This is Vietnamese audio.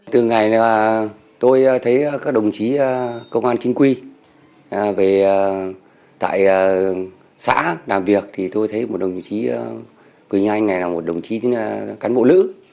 từ ngày tôi thấy các đồng chí công an chính quy về tại xã làm việc thì tôi thấy một đồng chí quỳnh như anh này là một đồng chí cán bộ nữ